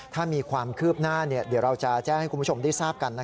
ถ้ามีความคืบหน้าเดี๋ยวเราจะแจ้งให้คุณผู้ชมได้ทราบกัน